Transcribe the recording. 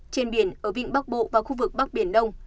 trên biển ở vịnh bắc bộ và khu vực bắc biển đông